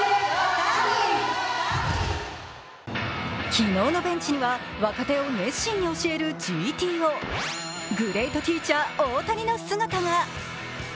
昨日のベンチには若手を熱心に教えるＧＴＯ、グレートティーチャー・大谷の姿が。